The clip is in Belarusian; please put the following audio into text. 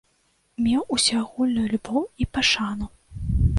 Меў усеагульнай любоў і пашану.